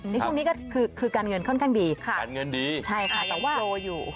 ในช่วงนี้ก็คือการเงินค่อนข้างดีตัวโลยี่